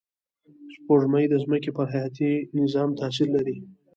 سپوږمۍ د ځمکې پر حیاتي نظام تأثیر لري